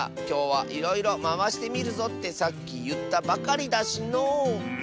きょうはいろいろまわしてみるぞってさっきいったばかりだしのう。